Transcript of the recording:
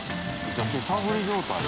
手探り状態？